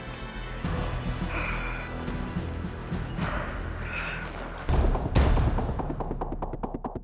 paman lawu seta sudah selesai bersemedi